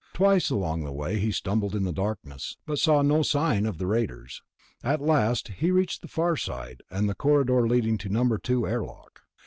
Twice along the way he stumbled in the darkness, but saw no sign of the raiders. At last he reached the far side, and the corridor leading to No. 2 airlock.